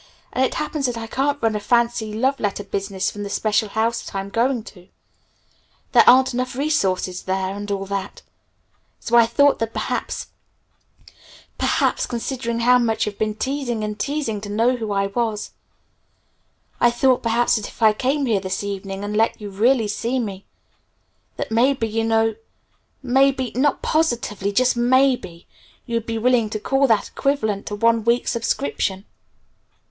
And it happens that I can't run a fancy love letter business from the special house that I'm going to. There aren't enough resources there and all that. So I thought that perhaps perhaps considering how much you've been teasing and teasing to know who I was I thought that perhaps if I came here this evening and let you really see me that maybe, you know maybe, not positively, but just maybe you'd be willing to call that equivalent to one week's subscription.